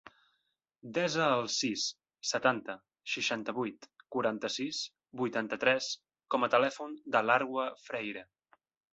Desa el sis, setanta, seixanta-vuit, quaranta-sis, vuitanta-tres com a telèfon de l'Arwa Freire.